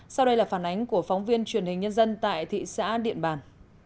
sau đây là phản ánh của phóng viên truyền hình nhân dân tại thị xã điện bàn